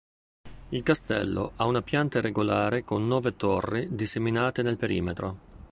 Il castello ha una pianta irregolare con nove torri disseminate nel perimetro.